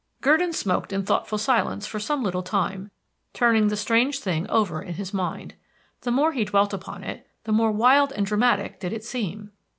Gurdon smoked in thoughtful silence for some little time, turning the strange thing over in his mind. The more he dwelt upon it, the more wild and dramatic did it seem.